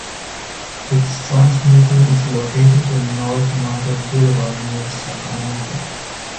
Its transmitter is located on North Market Boulevard near Sacramento.